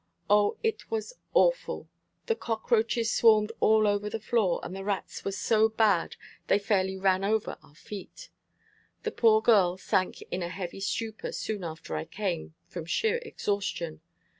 O, it was awful! The cockroaches swarmed all over the floor, and the rats were so bad they fairly ran over our feet. The poor girl sank in a heavy stupor soon after I came, from sheer exhaustion.